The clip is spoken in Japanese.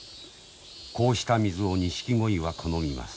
こうした水をニシキゴイは好みます。